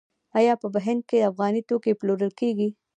آیا په هند کې افغاني توکي پلورل کیږي؟